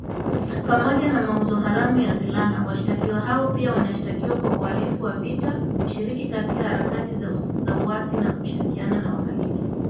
Pamoja na mauzo haramu ya silaha, washtakiwa hao pia wanashtakiwa kwa uhalivu wa vita, kushiriki katika harakati za uasi na kushirikiana na wahalifu.